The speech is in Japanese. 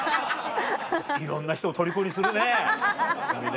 いろんな人をとりこにするね君ね。